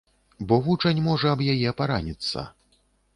Бо вучань можа аб яе параніцца.